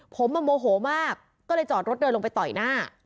ผมโมโหมากก็เลยจอดรถเดินลงไปต่อยหน้า